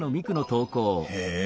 へえ